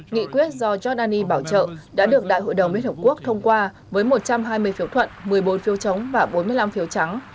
nghị quyết do giordani bảo trợ đã được đại hội đồng liên hợp quốc thông qua với một trăm hai mươi phiếu thuận một mươi bốn phiếu chống và bốn mươi năm phiếu trắng